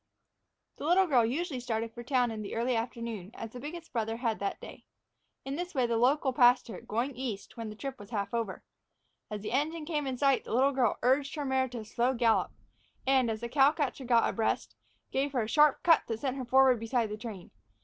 The little girl usually started for town in the early afternoon, as the biggest brother had that day. In this way the local passed her, going east, when the trip was half over. As the engine came in sight, the little girl urged the mare to a slow gallop, and, as the cow catcher got abreast, gave her a sharp cut that sent her forward beside the train.